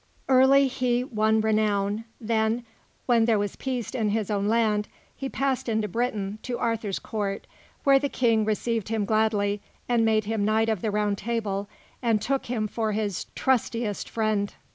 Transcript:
Early he won renown; then, when there was peace in his own land, he passed into Britain, to Arthur's Court, where the King received him gladly, and made him Knight of the Round Table and took him for his trustiest friend.